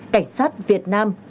cảnh sát việt nam